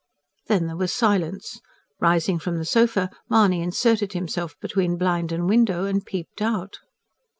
Then there was silence. Rising from the sofa, Mahony inserted himself between blind and window, and peeped out.